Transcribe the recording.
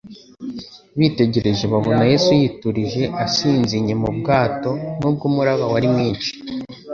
bitegereje babona Yesu yiturije asinzinye mu bwato, nubwo umuraba wari mwinshi.